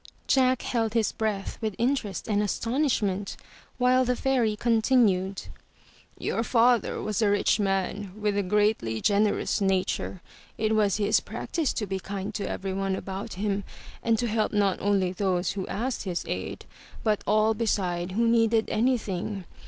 Jack held his breath with interest and astonishment while the fairy continued: ''Your father was a rich man with a greatly generous nature. It was his practice to be kind to everyone about him, and to help not only those who asked his aid, but all beside who needed anything.